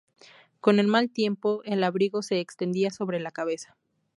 Con el mal tiempo el abrigo se extendía sobre la cabeza.